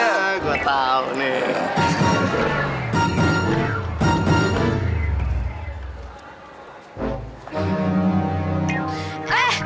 hah gue tau nih